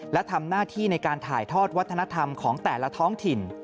และทำหน้าที่ในการถ่ายทอดวัฒนธรรมของแต่ละท้องถิ่น